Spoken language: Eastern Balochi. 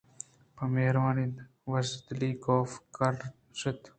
پہ مہروانی ءُوژدلی کاف ءِکِرّانشت